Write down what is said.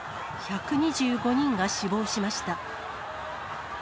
１２５人が死亡しました。